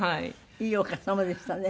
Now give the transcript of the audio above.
いいお母様でしたね。